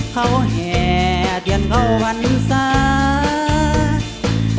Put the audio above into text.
เข้าแห่เตียนเข้าพันธุ์ศาสตร์